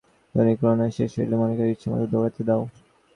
দৈহিক প্রণালী শেষ হইলে মনকে ইচ্ছামত দৌড়াইতে দাও, বাধা দিও না।